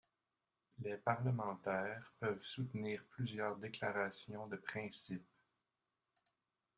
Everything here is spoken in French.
Les parlementaires peuvent soutenir plusieurs déclarations de principe.